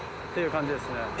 っていう感じですね。